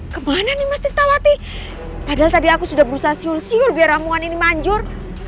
kemana nih pasti tahu hati padahal tadi aku sudah berusaha siul siul biar ramuan ini manjur